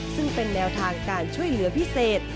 ซึ่งเป็นแนวทางการช่วยเหลือพิเศษ